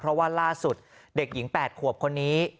เพราะว่าล่าสุดเด็กหญิง๘ขวบคนนี้